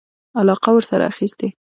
علاقه ورسره اخیسته.